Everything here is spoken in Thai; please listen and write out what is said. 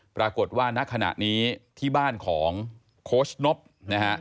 ปรากฏว่าณขณะนี้ที่บ้านของโค้ชนบนะฮะ